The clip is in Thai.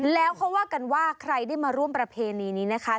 แล้วเขาว่ากันว่าใครได้มาร่วมประเพณีนี้นะคะ